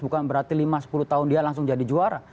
bukan berarti lima sepuluh tahun dia langsung jadi juara